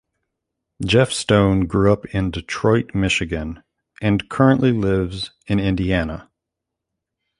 Jeff Stone grew up in Detroit, Michigan, and currently lives in Indiana.